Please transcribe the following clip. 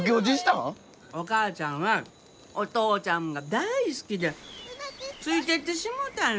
お母ちゃんはお父ちゃんが大好きでついていってしもうたんよ。